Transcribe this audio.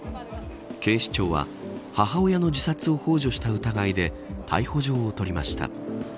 警視庁は母親の自殺をほう助した疑いで逮捕状を取りました。